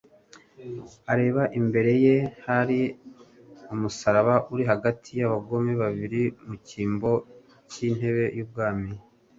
Areba imbere ye hari mnusaraba uri hagati y'abagome babiri mu cyimbo cy'intebe y'ubwami,